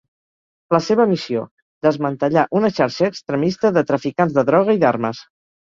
La seva missió: desmantellar una xarxa extremista de traficants de droga i d'armes.